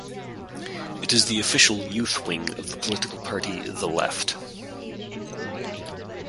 It is the official youth wing of the political party The Left.